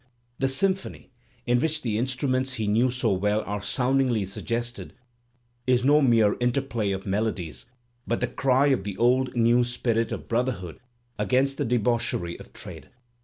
"The Symphony,'* in which the instruments he knew so well are soundingly suggested, is no mere interplay of melo dies, but the cry of the old new spirit of brotherhood against the debauchery of trade.